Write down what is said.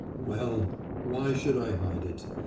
"Well, why should I hide it?